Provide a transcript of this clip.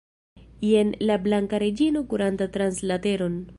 Jen la Blanka Reĝino kuranta trans la teron!